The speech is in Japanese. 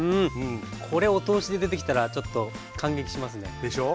これお通しで出てきたらちょっと感激しますね。でしょう。